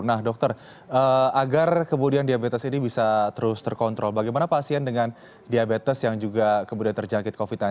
nah dokter agar kemudian diabetes ini bisa terus terkontrol bagaimana pasien dengan diabetes yang juga kemudian terjangkit covid sembilan belas